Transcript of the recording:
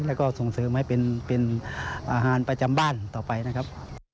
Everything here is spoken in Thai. แล้วก็ส่งเสริมให้เป็นอาหารประจำบ้านต่อไปนะครับ